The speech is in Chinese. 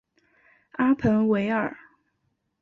阿彭维尔。